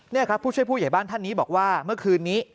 นี่ครับผู้ช่วยผู้ใหญ่บ้านท่านนี้บอกว่าเมื่อคืนนี้